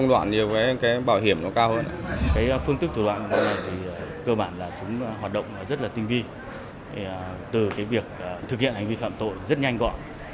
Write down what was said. từ việc thực hiện hành vi phạm tội rất nhanh gọn